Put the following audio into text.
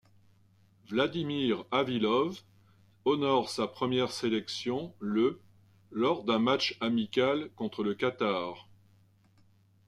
Vladimir Avilov honore sa première sélection le lors d'un match amical contre le Qatar.